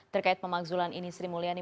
terkait pemakzulan ini sri mulyani